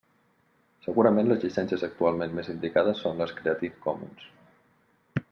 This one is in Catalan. Segurament, les llicències actualment més indicades són les Creative Commons.